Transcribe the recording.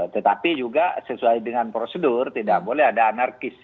tetapi juga sesuai dengan prosedur tidak boleh ada anarkis